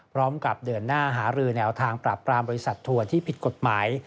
พร้อมกับเดินหน้าหารือแนวทางปราบปรามบริษัททัวร์ที่ผิดกฎหมาย